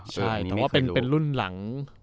ใช่แต่ว่าเป็นรุ่นหลัง